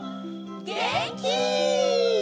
げんき！